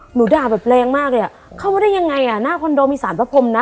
หนูด่าแบบแรงมากเลยอ่ะเข้ามาได้ยังไงอ่ะหน้าคอนโดมีสารพระพรมนะ